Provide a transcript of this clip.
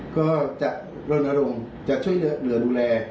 ก็จะรณรงค์จะช่วยเหลือดูแล